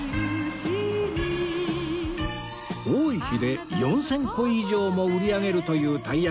多い日で４０００個以上も売り上げるというたいやき